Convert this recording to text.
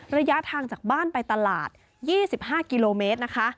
ระยะทางจากบ้านไปตลาด๒๕กิโลเมตรนะคะ